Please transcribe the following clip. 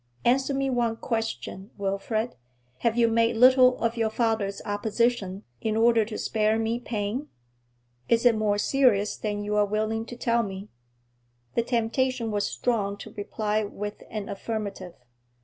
Answer me one question, Wilfrid: have you made little of your father's opposition, in order to spare me pain? Is it more serious than you are willing to tell me?' The temptation was strong to reply with an affirmative.